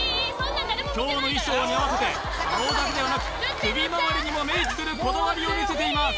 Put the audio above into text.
今日の衣装に合わせて顔だけではなく首まわりにもメイクするこだわりをみせていますＯＫ